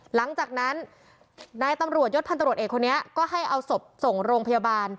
หลังจากนั้นนายตำรวจยศพันตรวจเอกคนนี้ก็ให้เอาศพส่งโรงพยาบาล